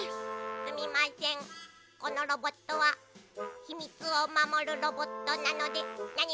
このロボットはひみつをまもるロボットなのです。